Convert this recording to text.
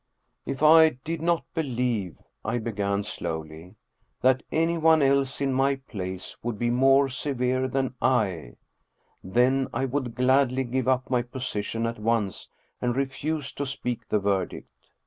" If I did not believe," I began slowly, " that anyone else in my place would be more severe than I, then I would gladly give up my position at once and refuse to speak the verdict.